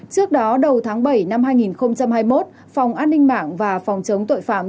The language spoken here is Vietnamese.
trước đó đầu tháng bảy năm hai nghìn hai mươi một phòng an ninh mạng và phòng chống tội phạm